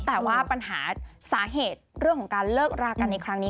แต่ว่าปัญหาสาเหตุเรื่องของการเลิกรากันในครั้งนี้